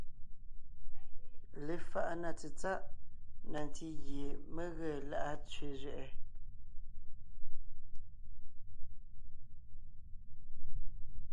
Lefaʼa na tsetsáʼ na ntí gie mé ge lá’a tsẅé zẅɛʼɛ: